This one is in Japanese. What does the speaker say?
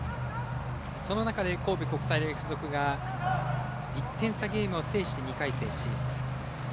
その中で神戸国際大付属が１点差ゲームを制して２回戦進出。